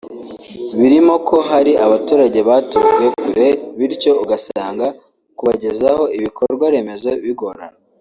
birimo ko hari abaturage batujwe kure bityo ugasanga kubagezaho ibikorwaremezo bigorana